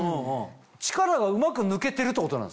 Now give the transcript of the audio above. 力がうまく抜けてるってことなんですか？